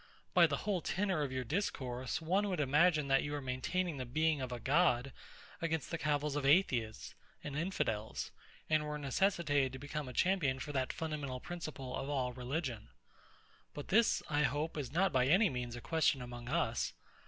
By the whole tenor of your discourse, one would imagine that you were maintaining the Being of a God, against the cavils of Atheists and Infidels; and were necessitated to become a champion for that fundamental principle of all religion. But this, I hope, is not by any means a question among us.